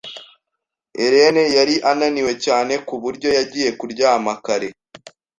Ellen yari ananiwe cyane ku buryo yagiye kuryama kare.